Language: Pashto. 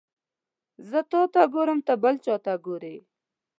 زه تاته ګورم ته بل چاته ګوري